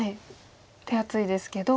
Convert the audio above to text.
手厚いですけど。